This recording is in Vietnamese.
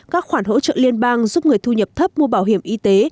các khoản hỗ trợ liên bang giúp người thu nhập thấp mua bảo hiểm y tế